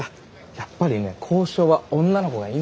やっぱりね交渉は女の子がいいんですよ。